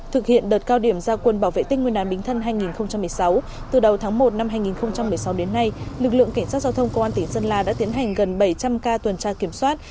thực hiện đợt cao điểm gia quân bảo vệ tinh nguyên đán bính thân hai nghìn một mươi sáu từ đầu tháng một năm hai nghìn một mươi sáu đến nay lực lượng cảnh sát giao thông công an tỉnh sơn la đã tiến hành gần bảy trăm linh ca tuần tra kiểm soát